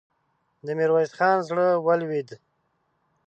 د ميرويس خان زړه ولوېد.